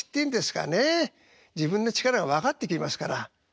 自分の力は分かってきますから。